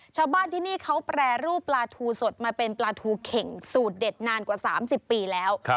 ชาวบ้านที่นี่เขาแปรรูปปลาทูสดมาเป็นปลาทูเข่งสูตรเด็ดนานกว่า๓๐ปีแล้ว